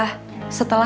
ami sudah tanya